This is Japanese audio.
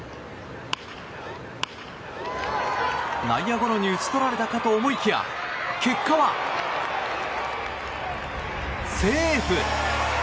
内野ゴロに打ち取られたかと思いきや結果は、セーフ！